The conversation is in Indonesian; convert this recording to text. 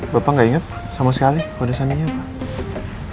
bapak gak ingat sama sekali kode sandinya pak